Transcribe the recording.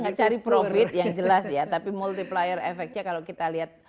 kita tidak cari profit yang jelas ya tapi multiplier effect nya kalau kita lihat